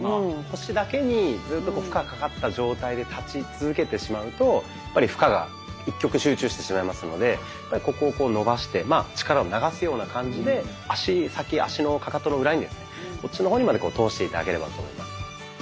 腰だけにずっと負荷がかかった状態で立ち続けてしまうとやっぱり負荷が一極集中してしまいますのでここをこう伸ばして力を流すような感じで足先足のカカトの裏にですねこっちの方にまで通して頂ければと思います。